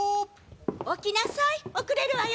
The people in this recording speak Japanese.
起きなさい、遅れるわよ。